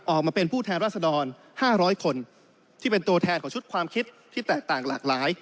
ออกมาเป็นผู้แทนรัศดร๕๐๐คนที่เป็นตัวแทนของชุดความคิดที่แตกต่างหลากหลาย